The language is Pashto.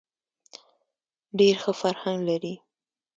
ډېر ښه فرهنګ لري.